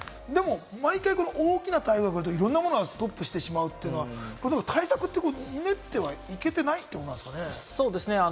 毎回、大きな台風が来るといろいろストップしてしまうというのは、対策って練っていけないってことですかね。